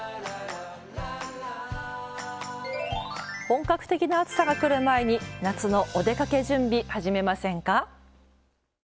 本格的な暑さがくる前に夏のお出かけ準備始めませんか？